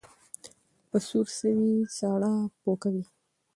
ـ په سور سوى، ساړه پو کوي.